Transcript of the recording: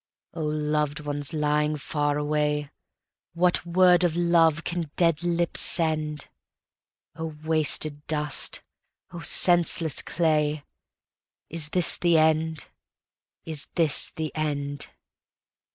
O loved ones lying far away, What word of love can dead lips send!O wasted dust! O senseless clay! Is this the end! is this the end!